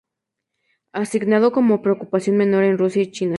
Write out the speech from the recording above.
Asignado como preocupación menor en Rusia y China.